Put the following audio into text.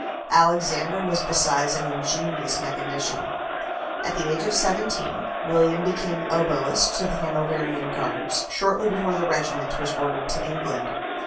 Alexander was besides an ingenious mechanician. At the age of seventeen, William became oboist to the Hanoverian Guards, shortly before the regiment was ordered to England.